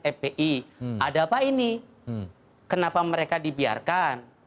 fpi ada apa ini kenapa mereka dibiarkan